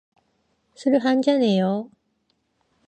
술 한잔 해요.